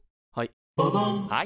はい。